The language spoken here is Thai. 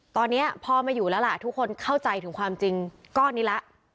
ตอนนี้พ่อไม่อยู่แล้วล่ะทุกคนเข้าใจถึงความจริงก้อนนี้ละ